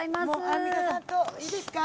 アンミカさんと、いいですか？